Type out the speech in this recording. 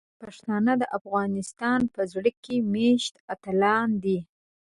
پښتانه د افغانستان په زړه کې میشته اتلان دي.